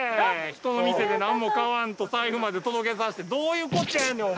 人の店で何も買わんと財布まで届けさせてどういうことやねん？